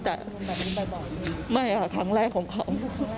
แต่ไม่ค่ะครั้งแรกของเขา